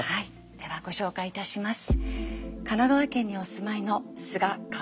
ではご紹介いたします。